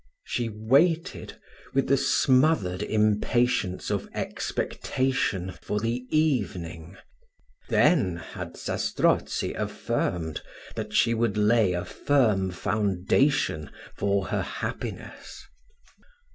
She waited, with the smothered impatience of expectation, for the evening: then, had Zastrozzi affirmed, that she would lay a firm foundation for her happiness.